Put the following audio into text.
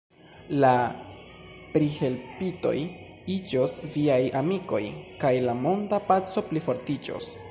La prihelpitoj iĝos viaj amikoj kaj la monda paco plifortiĝos.